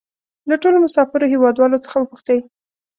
له ټولو مسافرو هېوادوالو څخه وپوښتئ.